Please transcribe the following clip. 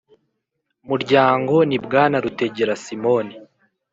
Muryango ni bwana rutegera simon